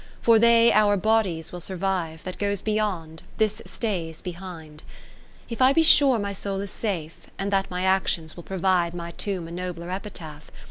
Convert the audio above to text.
For they our bodies will survive ; That goes beyond, this stays behind. 20 VI If I be sure my soul is safe, And that my actions will provide My tomb a nobler epitaph.